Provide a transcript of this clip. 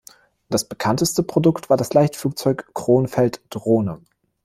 Das bekannteste Produkt war das Leichtflugzeug Kronfeld Drone.